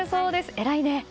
偉いね！